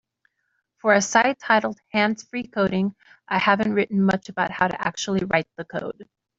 For a site titled Hands-Free Coding, I haven't written much about How To Actually Write The Code.